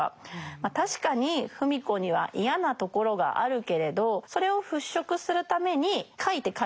ま確かに芙美子には嫌なところがあるけれどそれを払拭するために書いて書いて書きまくった。